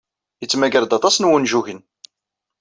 Yettmagar-d aṭas n wunjugen.